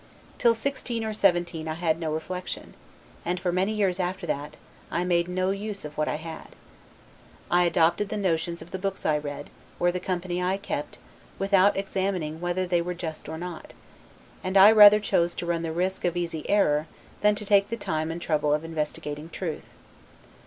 Till sixteen or seventeen I had no reflection; and for many years after that, I made no use of what I had. I adopted the notions of the books I read, or the company I kept, without examining whether they were just or not; and I rather chose to run the risk of easy error, than to take the time and trouble of investigating truth.